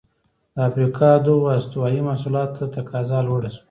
د افریقا دغو استوايي محصولاتو ته تقاضا لوړه شوه.